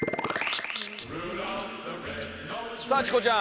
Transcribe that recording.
さあチコちゃん！